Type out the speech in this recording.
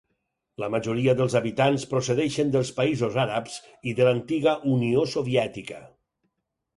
La majoria dels habitants procedeixen de països àrabs i de l'antiga Unió Soviètica.